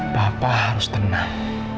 papa harus tenang